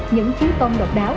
những chiếc con độc đáo